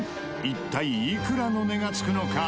一体いくらの値がつくのか？